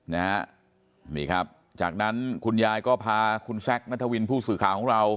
นี่ครับจากนั้นคุณยายก็พาคุณแซคนัทวินผู้สื่อข่าวของเรา